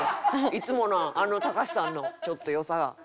いつものあの隆さんのちょっと良さが。